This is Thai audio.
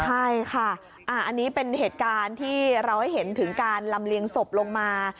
ใช่ค่ะอันนี้เป็นเหตุการณ์ที่เราให้เห็นถึงการลำเลียงศพลงมา